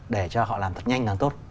để cho họ làm thật nhanh thật tốt